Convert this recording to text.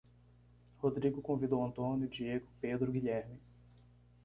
Rodrigo convidou Antônio, Diego, Pedro, Guilherme